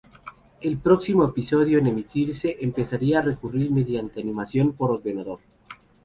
El próximo episodio en emitirse empezaría a recurrir mediante animación por ordenador.